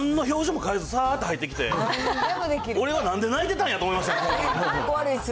なんの表情も変えず、さーっと入ってきて、俺はなんで泣いてたんやと思いましたね。